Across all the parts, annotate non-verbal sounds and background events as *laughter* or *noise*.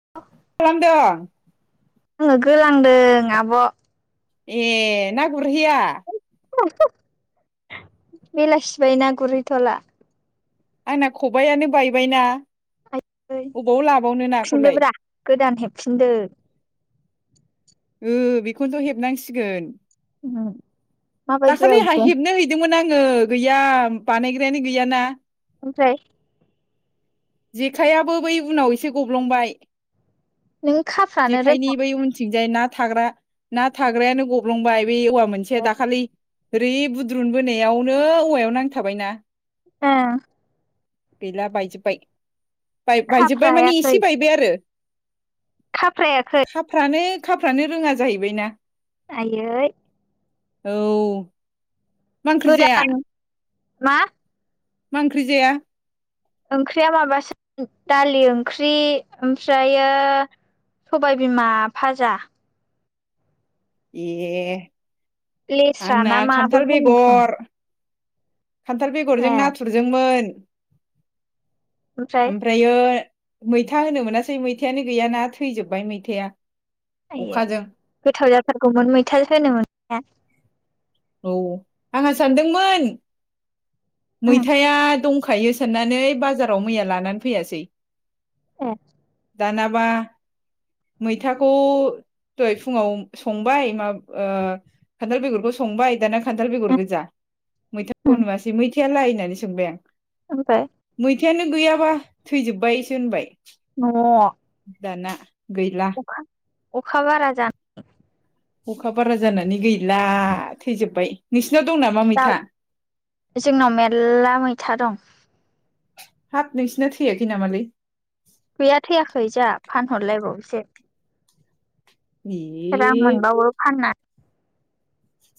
*unintelligible* आङो गोलांदों आब' ए ना गुरहैया बेलासि बाय ना गुरहैथ'ला। आंना खबाइयानो बायबायना। है अबाव लाबावनो नाखौलाय फिनदोब्रा गोदान हेबफिनदो। ओम बेखौनोथ' हेबनांसिगोन उम माबायदि दाखालि हाय बायदों हेबनो हैदोंमोन आं आङो गैया बानायग्रायानो गैयाना ओमफ्राय जेखायाबो बै उनाव एसे गब्लंबाय नों खाफ्रानो रोङा थिंजाय ना थाग्रा ना थाग्रायानो गब्लंबाय बे औवा मोनसेया रोङाखै दाखालि ओरै बुद्रुन बोनायावनो औवायाव नांथाबायना उम गैला बायजोब्बाय बाय बायजोब्बाय माने खाफ्रायाखै एसे बायबाय आरो खाफ्रायाखै फ्रानो रोङा जाहैबाय ना। आयै औ मा ओंख्रि जाया गोदान मा? मा ओंख्रि जाया ओंख्रिया माबासो दालि ओंख्रि ओमफ्रायो सबाय बिमा फाजा ए लेस्रा आंना ना माबो खान्थाल होनो खोमा बेगर खान्थाल बेगरजों ए नाथुरजोंमोन। ओमफ्राय ओमफ्रायो मैथा होनो मोनासै मैथायानो गैयाना थैजोबबाय मैथाया आयो अखाजों गोथाव जाथारगौमोन मैथा होनो मोननायबा। औ आंहा सानदोंमोन उम मैथाया दं होखायो साननानै बाजाराव मैया लानानै फैयासै एह दानाबा मैथाखौ दहय फुङाव संबाय मा ओ खान्थाल बेगरखौ संबाय दाना खान्थाल बेगर उम गोजा उम मैथाखौ नुवासै मैथाया लाइ होननानै सोंबाय आं ओमफ्राय। मैथायानो गैयाबा थैजोबबायसो होनबाय *unintelligible* दाना गैला अखाबारा जा अखा बारा जानानै गैला थैजोबबाय नोंसि दाउ जोंनाव मेर्ला मैथा दं। हाब नोंसिना थैयाखै नामालै गैया थैयाखै जोहा फानहरलायबावसो ए रां मोनबावो फाननानै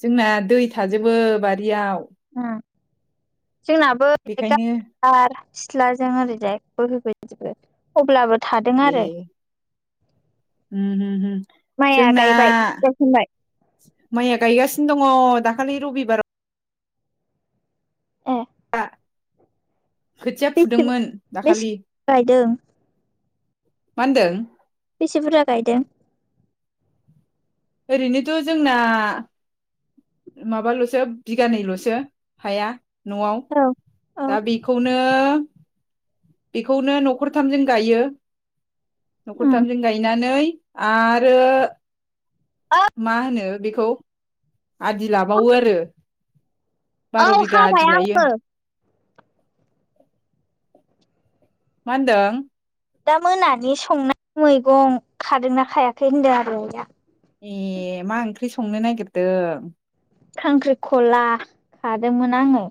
जोंना दै थाजोबो बारियाव उम जोंनाबो बेखायनो सिथ्लाजों ओरैजाय बोहैबोजोबो अब्लाबो थादों ए आरो उम उम माइया जोंना गायबाय गायखांबाय माइया गायगासिनो दङ दाखालि रबिबाराव एह खोथिया फुदोंमोन बेसे दाखालि गायदों मा होनदों बेसे बुरजा गायदों ओरैनोथ' जोंना माबाल'सो बिगानैल'सो हाया। न'आव औ औ दा बेखौनो बेखौनो न'खरथामजों गायो उम न'खरथामजों गायनानै आरो औ मा होनो बेखौ आदि लाबावो आरो औ बार' बिघा हाबाय आदि आं लायो। मा होनदों? दा मोनानि संनाय मैगं खादोंना खायाखै होनदों आरो आया? ए मा ओंख्रि संनो नागिरदों? खांख्रिखला खादोंमोन आङो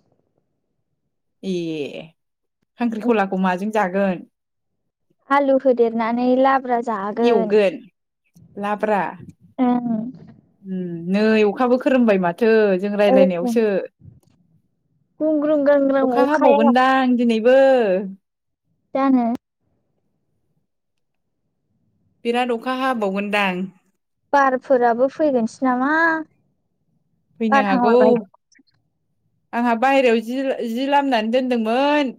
ए खांख्रिखलाखौ माजों जागोन? आलु हुदेरनानै लाब्रा जागोन एवगोन लाब्रा ओं उम। नै अखाबो खोरोमबाय माथो जों औ रायजलायनायावसो गुंग्रुं गांग्रां अखा अखाया हाबावगोनदां दिनैबो जानो? बिराद अखा हाबावगोनदां बारफोराबो फैगोनसो नामा? फैनो हागौ। बारहांलाबाय आंहा बाहेरायाव जिर जि लामनानै दोनदोंमोन।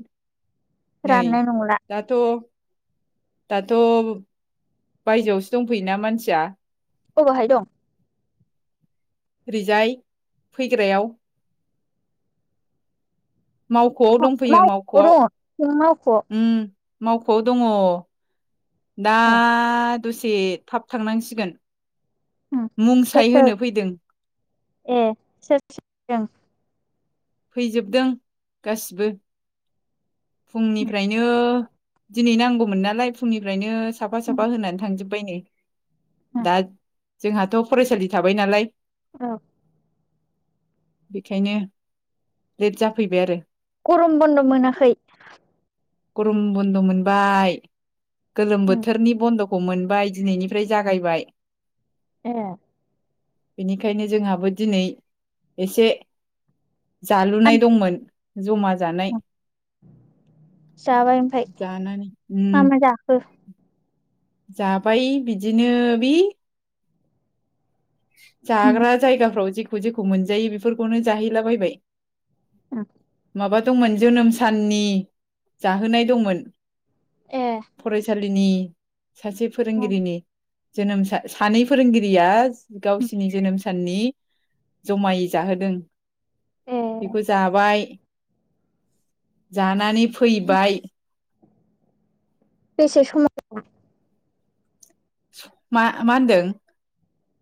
नै राननाय नंला दाथ' दाथ' बायजोआवसो दंफैयोना मानसिया अबहाय दं। रिजाय फैग्रायाव मावख'आव दंफैयो मावख'आव दङ नों मावख'आव उम मावख'आव दङ। दा ए दसे थाब थांनांसिगोन। उम सोर मुंसाय सोर होनो फैदों। ए सोर सोर फैदों फैजोबदों गासिबो उम फुंनिफ्रायनो दिनै नांगौमोन नालाय फुंनिफ्रायनो साफा साफा होनानै थांजोबबाय नै। उम दा जोंहाथ' फरायसालि थाबाय नालाय औ। बेखायनो लेट जाफैबाय आरो। गरम बन्द' मोनाखै? गरम बन्द' मोनबाय गोलोम उम बोथोरनि बन्द' खौ मोनबाय दिनैनिफ्राय जागायबाय। ए। बेनिखायनो जोंहाबो दिनै एसे जालुनाय आं दंमोन जमा जानाय। जाबाय ओमफाय जानानै मा उम मा जाखो जाबाय बिदिनो बि उम जाग्रा जायगाफ्राव जेखौ जेखौ मोनजायो बेफोरखौनो जाहैलाबायबाय। औ। माबा दंमोन जोनोम साननि जाहोनाय दंमोन। ए। रिनि सासे उम फोरोंगिरिनि जोनोम सानै फोरोंगिरिया उम गावसिनि जोनोम साननि जमायै जाहोदों। ए बेखौ जाबाय जानानै फैबाय। बेसे समाव मा मा होनदों?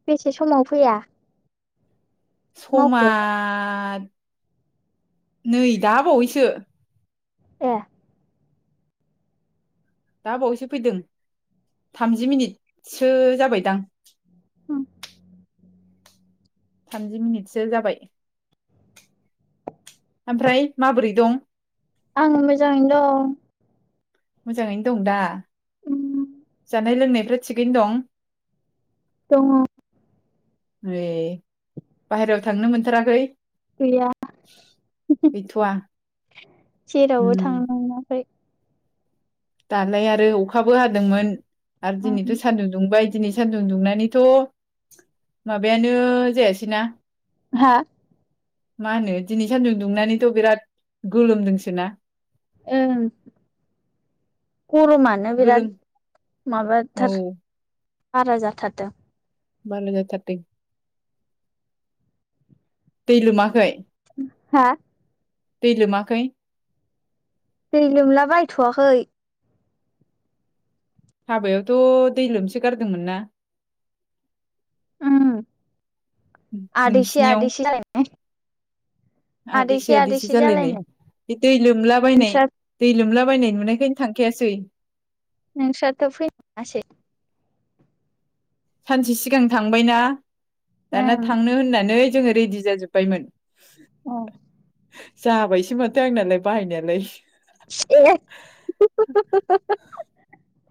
बेसे समाव फैया? समा मावख'आव नै दा बावैसो। ए दा बावैसो फैदों थामजि मिनिटसो जाबायदां। उम थामजि मिनिटसो जाबाय। ओमफ्राय माबोरै दं? आं मोजाङैनो दं। मोजाङैनो दं दा दं उम जानाय लोंनायफ्रा थिगैनो दं। दङ ए बाहेरायाव थांनो मोनथाराखै? गैया। गैथ'वा उम जेरावबो थांनांआखै। दालाय आरो अखाबो हादोंमोन आरो दिनैथ' उम सान्दुं दुंबाय। दिनै सानदुं दुंनानैथ' माबायानो जायासैना हा मा होनो दिनै सानदुं दुंनानैथ' बिराद गोलोमदोंसो ना। ओं गरमानो बिराद गोलोम औ माबाथार। बारा जाथारदों। बारा जाथारदों। दै लोमाखै? हा दै लोमाखै? दै लोमला बायथ'वाखै। हाबायावथ' दै लोमसो गारदोंमोन ना? उम आदैसे नोंसिनियाव आदैसे जा- आदैसे आदैसे जालायनाय बे दै लोमलाबायायनाय नोंस्रा दै लोमला- बायनाय नुनायखायनो थांखायासै। नोंसाराथ फैनो मोनासै। सानसे सिगां थांबायना दाना ओं थांनो होननानै जोङो रेडि जाजोब्बायमोन। ओं जाबायसो माथो आंनालाय बाहायनायालाय। ए *unintelligible*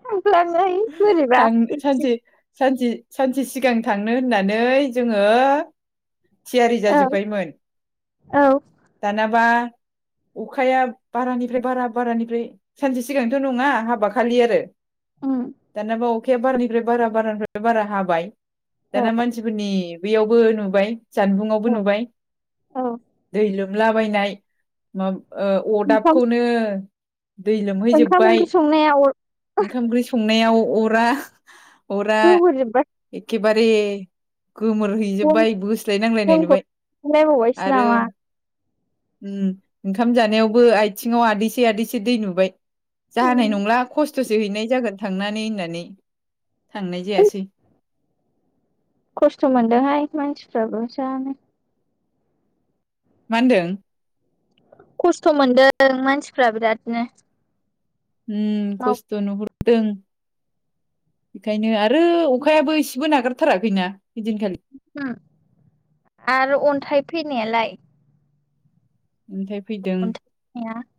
थांफ्लाङै बोरैबा थां इदि सानसे सानसे सानसे सिगां थांनो होननानै जोङो थियारि औ जाजोब्बायमोन औ दानाबा अखाया बारानिफ्राय बारा बारानिफ्राय सानसे सिगांथ' नङा हाब खालि आरो। उम दानाबा अखाया बारानिफ्राय बारा बारानिफ्राय बारा हाबाय दाना मानसिफोरनि बेयावबो नुबाय जानबुंआवबो ओ औ नुबाय दै लोम- लाबायनाय माब औ अदाबखौनो दै ओंखाम ओंख्रि लोमहैजोब्बाय संनाया अर ओंखाम-ओंख्रि संनायाव अरा अरा गोबोरजोबबाय एखे- बारे बन गोमोरहैजोबबाय बोस्लायनांलायनाय बनखौ नुबाय लायबावबायसो आरो नामा उम ओंखाम जानायावबो आथिङाव आदैसे आदैसे दै नुबाय। जानाय उम नंला खस्थ'- खस्थ'सो हैनाय जागोन थांनानै होननानै थांनाय जायासै। खस्थ' मोनदोंहाय मानसिफ्राबो जानो। मा होनदों? खस्थ' मोनदों मानसिफ्रा बिरादनो। हम माव खस्थ' नुहुर- दों बेखायनो आरो अखायाबो एसेबो नागारथाराखैना ओइदिनखालि आरो अन्थाइ फैनायालाय अनथाय फैदों अन्थाइ फैनाया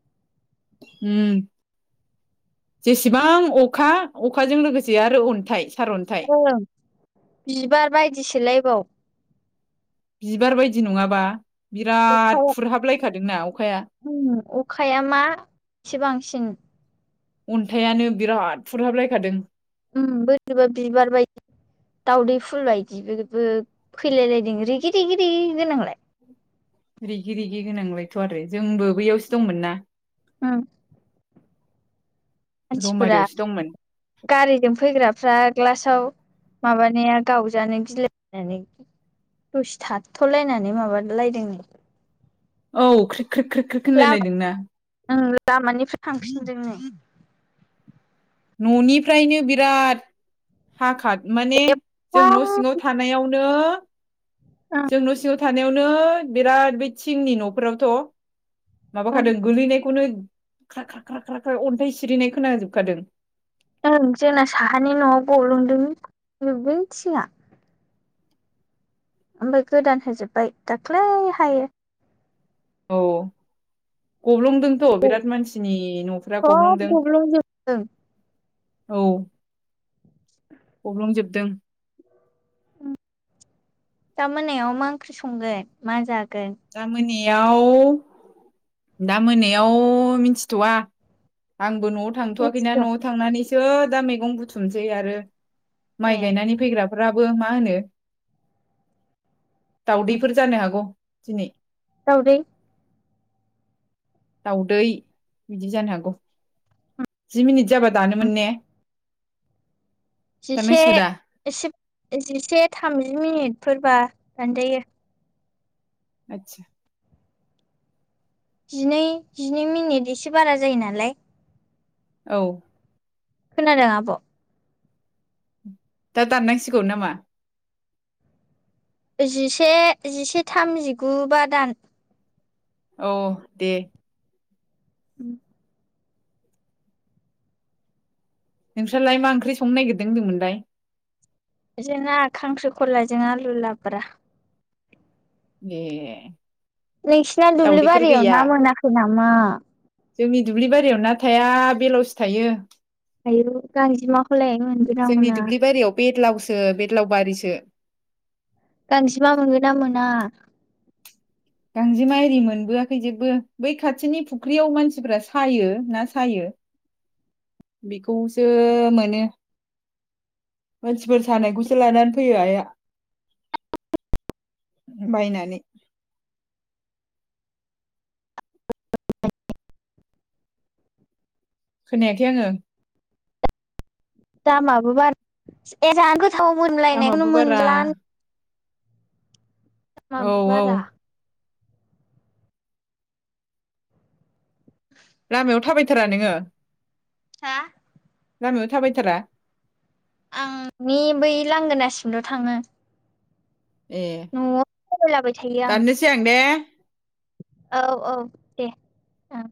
जेसेबां अखा - अखाजों लोगोसे आरो अन्थाइ सारअन्थाइ बिबार बायदिसोलायबाव बिबार बायदि नङाबा बिराद अखाया फुरहाबलायखादोंना अखा अखाया मा एसो बांसिन अन्थाइनो बिराद फुरहाबलायखादों बोरैबा बिबार बायदि दावदै फुल बायदि बेबो फैलायलायदों रिगि रिगिद गोनांलाय रेगि रिगि गोनांबायायथ' आरो जोंबो बैयावसो दंमोन ना औ मानसिफोरा रौमारियावसो दंमोन गारिजों फैग्राफ्रा ग्लास माबानाया गावजानो गिलायनानै दस थाथथ'लायनानै माबालायदों नो औ ख्रि - ख्रि -ख्रि - ख्रिक होनलायलायदों ना ओं लामानिफ्राय थांफिनदों नो न'निफ्रायनो बिराद हाखा माने जों न' ओं सिङाव थानायावनो नो जों न'सिङाव थानायावनो बिराद बै थिंनि न'फोरावथ' माबाखादों गोलैनाय- खौनो खार-खार-खार-खार अन्थाइ सिरिनाय खोनाजोबखादों ओ जोंना साहानि न'आव गलंदों नोदों थिङा ओमफ्राय गोदान होजोबबाय दाख्लैहाय औ गब्लं- दोंथ' बिराद मानसिनि न'फ सब गब्लंदों गब्लंजोबदों औ गब्लंजोबदों दा मोनायाव मा ओंख्रि संगोन मा जा- दा मानि याव दा मोनायाव मिथिथवा आं- बो न'आव थांथ'वाखैना मिथिथ'आ न'आव थांनानैसो दा मैगं बुथुमनोसै आरो माइ ए गायनानै फैग्राफोराबो मा होनो दाउदैफोर जानो हागौ दिनै दावदै दाउदै बिदि जानो हागौ जि मिनिट जाबा दानोमोन ने? जिसे दाननांसिगौ दा एसे जिसे थामजि मिनिट- फोरबा दानजायो आतसा जिनै-जिनै मिनिट एसे बारा जायो नालाय औ खोनादों आब'? दा दाननांसिगौ नामा? जिसे-जिसे थाम जिगु बा दान औ दे उ नोंस्रालाय मा ओंख्रि संनो नागिरदों होनदोंमोनलाय? जोंना खांख्रिखलाजों आलु लाब्रा ए नोंसिना दुब्लि दावदैफोर बारियाव गैया ना मोनाखै नामा? जोंनि दुब्लि बारियाव ना थाया बेलावसो थायो। आयौ गांजेमाखौलाय मोनगोन ना जोंनि मोना दुब्लि बारियाव बेदलावसो बेद लाव बारिस गांजेमा मोनो ना मोना? गांजेमा आरि मोनबोआखै जेबो बै खाथिनि फुख्रियाव मानसिफ्रा सायो ना सायो। बेखौसो मोनो। मानसिफोर सानायखौसो लानानै फैयो आइया। बायनानै खोनायाखै आङो। दामाबो बारा एजा गोथाव मोनलायनायखौनो लामाबो बारा मोनला। औ माबो औ बारा? लामायाव थाबायथारा नोङो? हा लामायाव थाबायथारा? आंनि बै लांगोनासिमल' थाङो। ए न'आव थाबायलाबाय थायो दाननोसै आं दे। औ औ दे ओ